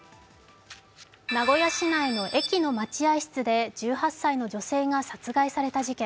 名古屋市内の駅の待合室で１８歳の女性が殺害された事件。